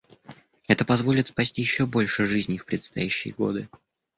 Это позволит спасти еще больше жизней в предстоящие годы.